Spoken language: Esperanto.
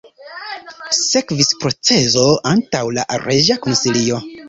Sekvis proceso antaŭ la reĝa konsilio.